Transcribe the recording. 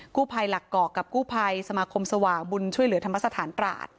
กู้ไพรหลักกอกกับกู้ไพรสมาคมสว่างบุญช่วยเหลือธรรมสถานกราช